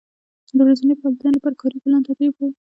د ورځنیو فعالیتونو لپاره کاري پلان ترتیب کړئ.